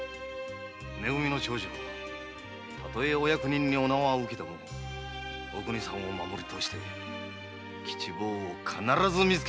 め組の長次郎たとえお役人にお縄を受けてもお邦さんを守りとおして吉坊を必ず見つけてごらんにいれやす。